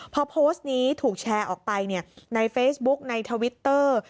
พอโพสต์นี้ถูกแชร์ออกไปในเฟซบุ๊กในทวิตเตอร์